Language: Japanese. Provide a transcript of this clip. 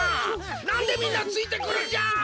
なんでみんなついてくるんじゃ！？